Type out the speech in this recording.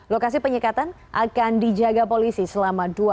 lokasi penyekatan akan dijaga polisi selama dua puluh empat jam